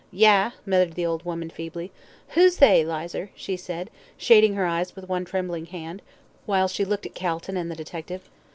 "Yah!" muttered the old woman feebly. "Who's they, Lizer?" she said, shading her eyes with one trembling hand, while she looked at Calton and the detective.